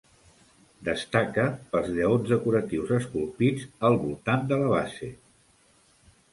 Destaca pels lleons decoratius esculpits al voltant de la base.